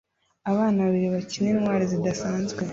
abana babiri bakina intwari zidasanzwe